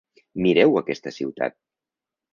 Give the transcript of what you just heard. Mireu aquesta ciutat!